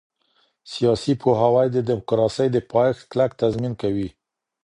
سياسي پوهاوی د ديموکراسۍ د پايښت کلک تضمين کوي.